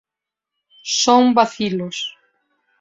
Son bacilos.